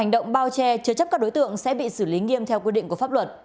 đối tượng sẽ bị xử lý nghiêm theo quyết định của pháp luật